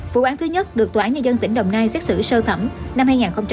vụ án thứ nhất được tòa án nhân dân tỉnh đồng nai xét xử sơ thẩm năm hai nghìn một mươi ba